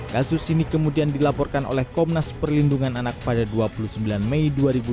kasus ini kemudian dilaporkan oleh komnas perlindungan anak pada dua puluh sembilan mei dua ribu dua puluh